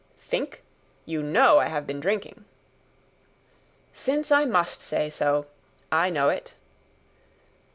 "Think? You know I have been drinking." "Since I must say so, I know it."